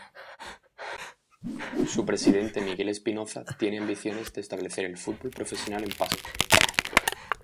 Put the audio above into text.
Su presidente Miguel Espinoza tiene ambiciones de establecer el fútbol profesional en Pasco.